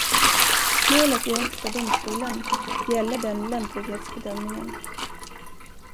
Målet i Högsta domstolen gäller den lämplighetsbedömningen.